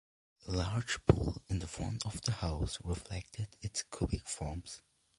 A large pool in front of the house reflected its cubic forms.